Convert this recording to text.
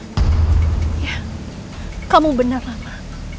iya kamu benar ramna